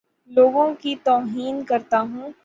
لوگوں کی توہین کرتا ہوں